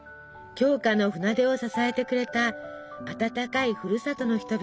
鏡花の船出を支えてくれた温かいふるさとの人々。